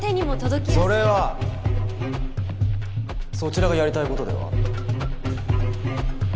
それはそちらがやりたい事では？